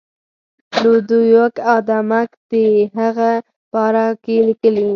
لودویک آدمک د هغه پاره کې لیکي.